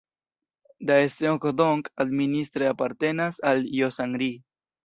Daeseong-dong administre apartenas al Josan-ri.